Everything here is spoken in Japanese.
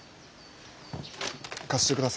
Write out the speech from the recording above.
貸してください。